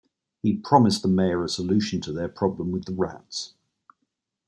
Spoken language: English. He promised the mayor a solution to their problem with the rats.